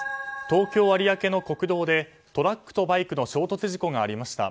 東京・有明の国道でトラックとバイクの衝突事故がありました。